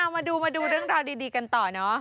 มาดูมาดูเรื่องราวดีกันต่อเนอะ